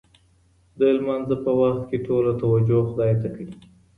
د لمانځه په وخت کې ټوله توجه خدای ته کړئ.